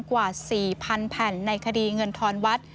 กว่า๔๐๐๐แผ่นในคดีเงินทอนวัด